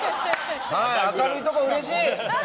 明るいところ、うれしい！